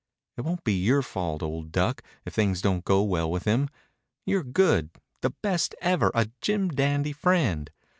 "It won't be your fault, old duck, if things don't go well with him. You're good the best ever a jim dandy friend.